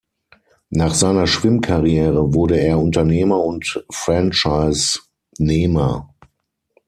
Nach seiner Schwimmkarriere wurde er Unternehmer und Franchisenehmer.